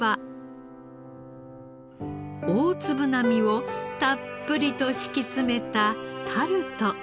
大粒な身をたっぷりと敷き詰めたタルト。